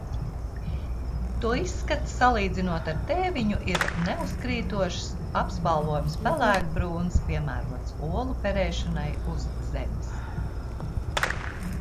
To izskats, salīdzinot ar tēviņu, ir neuzkrītošs, apspalvojums pelēkbrūns, piemērots olu perēšanai uz zemes.